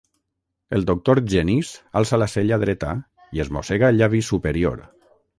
El doctor Genís alça la cella dreta i es mossega el llavi superior.